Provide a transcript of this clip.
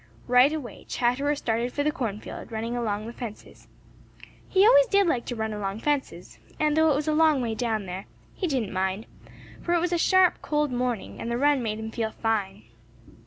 Right away Chatterer started for the cornfield, running along the fences. He always did like to run along fences, and though it was a long way down there, he didn't mind, for it was a sharp, cold morning and the run made him feel fine.